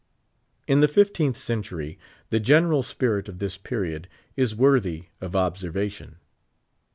In the fifteenth century, the general spirit of this period is worthy of observation.